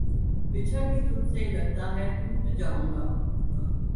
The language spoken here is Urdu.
بچھڑ کے تجھ سے یہ لگتا تھا ٹوٹ جاؤں گا